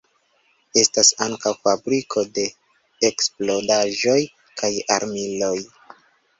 Estas ankaŭ fabriko de eksplodaĵoj kaj armiloj.